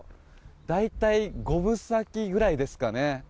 大体、五分咲きぐらいですかね。